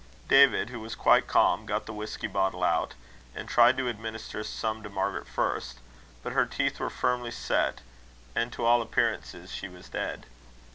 David, who was quite calm, got the whisky bottle out, and tried to administer some to Margaret first; but her teeth were firmly set, and to all appearance she was dead.